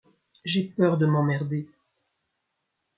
J’ai peur de m’emmerder.